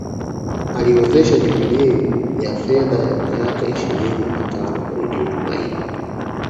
Aliwezesha jubilei ya fedha ya miaka ishirini na tano redio Tumaini